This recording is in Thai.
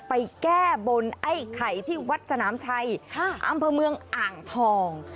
แก้บนไอ้ไข่ที่วัดสนามชัยอำเภอเมืองอ่างทอง